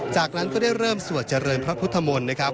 จากนั้นก็ได้เริ่มสวดเจริญพระพุทธมนตร์นะครับ